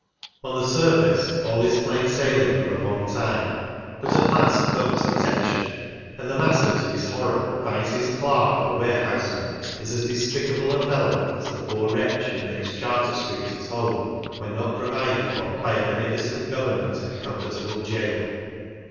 On the surface all is plain sailing for a long time, but at last comes detection, and the master to his horror finds his clerk or ware houseman is as despicable a felon as the poor wretch who makes Charter street his home when not pro vided for by a beneficent Government in a comfort able gaol.